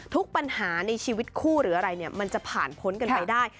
ทุกปัญหาในชีวิตคู่หรืออะไรเนี่ยมันจะผ่านพ้นกันไปได้